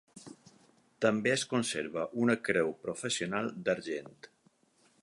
També es conserva una creu processional d'argent.